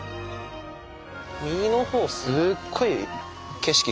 右の方すっごい景色